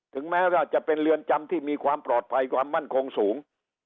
แม้ว่าจะเป็นเรือนจำที่มีความปลอดภัยความมั่นคงสูง